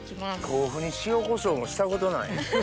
豆腐に塩コショウもしたことない。